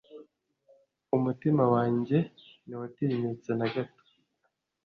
Umutima wanjye ntiwatinyutse na gato